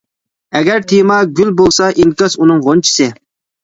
ئەگەر تېما گۈل بولسا، ئىنكاس ئۇنىڭ غۇنچىسى.